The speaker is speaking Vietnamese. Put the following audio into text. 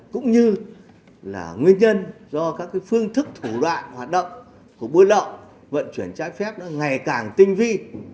cũng như là nguyên nhân do các phương thức thủ đoạn hoạt động của buôn lậu vận chuyển trái phép ngày càng tinh vi